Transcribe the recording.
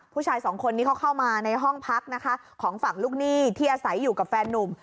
ผู้ชายสองคนนี้เขาเข้ามาในห้องพักนะคะของฝั่งลูกหนี้ที่อาศัยอยู่กับแฟนนุ่ม